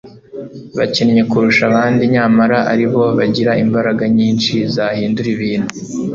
bakennye kurusha abandi nyamara aribo bagira imbaraga nyinshi zahindura ibintu